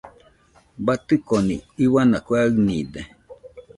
Batɨconi iuana kue aɨnide.